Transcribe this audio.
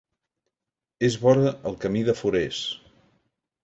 És vora el camí de Forès.